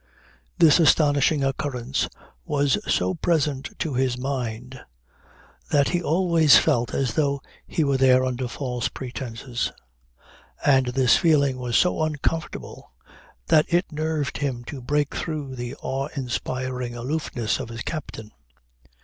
This astonishing occurrence was so present to his mind that he always felt as though he were there under false pretences. And this feeling was so uncomfortable that it nerved him to break through the awe inspiring aloofness of his captain.